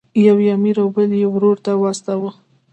یو یې امیر او بل یې ورور ته واستاوه.